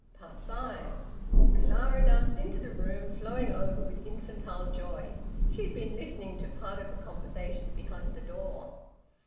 FIVE. Clara danced into the room, flowing over with infantile joy. She had been listening to part of the conversation behind the door.